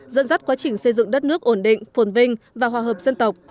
dẫn dắt quá trình xây dựng đất nước ổn định phồn vinh và hòa hợp dân tộc